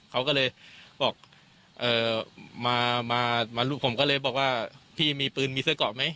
เขาก็เลยบอกมาลูกผมก็เลยบอกว่าพี่มีปืนมีเสื้อเกาะไหม